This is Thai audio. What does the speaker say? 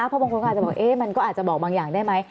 เพราะบางคนก็อาจจะบอกมันก็อาจจะบอกบางอย่างได้ไหม